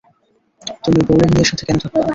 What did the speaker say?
তুমি বোরিং মেয়ের সাথে কেন থাকবা?